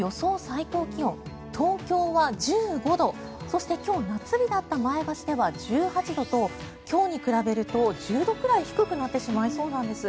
最高気温東京は１５度そして今日、夏日だった前橋では１８度と今日に比べると１０度くらい低くなってしまいそうなんです。